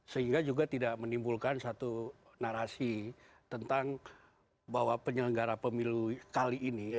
sehingga juga tidak menimbulkan satu narasi tentang bahwa penyelenggara pemilu kali ini